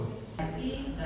jadi berapa kata ketiga